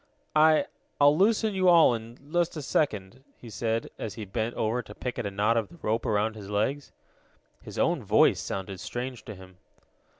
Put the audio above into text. "I I'll loosen you all in just a second," he said, as he bent over to pick at the knot of the rope around his legs. His own voice sounded strange to him.